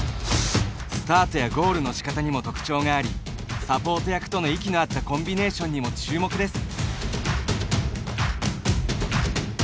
スタートやゴールのしかたにも特徴がありサポート役との息の合ったコンビネーションにも注目です。